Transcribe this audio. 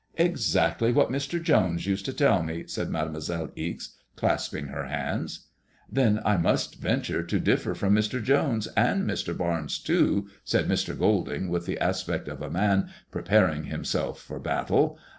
Exactly what Mr. Jones used to tell me," said Mademoiselle Ixe, clasping her hands. " Then I must venture to differ from Mr. Jones and Mr. Barnes f 56 ICADEIfOISBLLB DCS. too/' said Mr. Golding, with the aspect of a man preparing him self for battle.